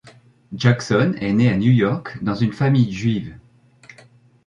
Jackson est né à New York dans une famille juive.